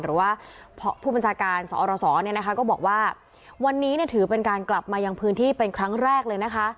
หรือว่าผู้บัญชาการสอรศเนี่ยนะคะก็บอกว่าวันนี้ถือเป็นการกลับมายังพื้นที่เป็นครั้งแรกเลยนะคะ